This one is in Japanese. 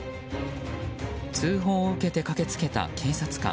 通報を受けて駆けつけた警察官。